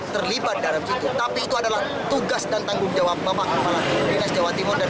terlibat dalam situ tapi itu adalah tugas dan tanggung jawab bapak kepala dinas jawa timur dan